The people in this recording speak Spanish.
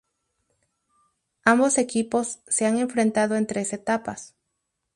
Ambos equipos se han enfrentado en tres etapas.